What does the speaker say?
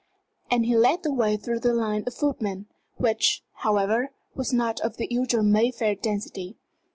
And he led the way through the line of footmen, which, however, was not of the usual Mayfair density.